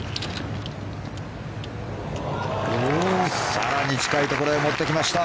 更に近いところへ持ってきました。